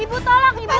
ibu tolong ibu